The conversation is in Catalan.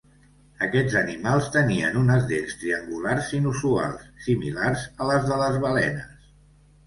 Aquests animals tenien unes dents triangulars inusuals similars a les de les balenes.